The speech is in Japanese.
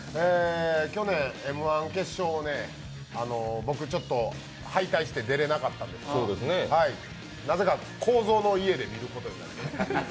去年、「Ｍ−１」決勝を僕、ちょっと敗退して出れなかったんですけど、なぜかこーぞーの家で見るという。